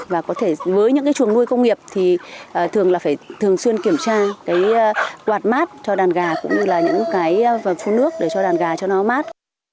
và có thể với những cái chuồng nuôi công nghiệp thì thường là phải thường xuyên kiểm tra cái quạt mát cho đàn gà cũng như là những cái phun nước để cho đàn gà cho nó mát